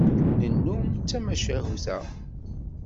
Nennum d tmacahut-a.